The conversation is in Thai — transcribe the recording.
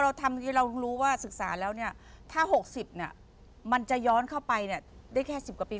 พอทำพี่เรารู้ว่าศึกษาแล้วถ้า๖๐อะมันจะย้อนเข้าไปได้แค่๑๐กว่าปี